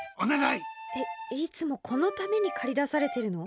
いつもこのために駆り出されてるの？